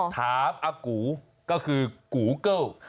อากูก็คือกูเกิ้ล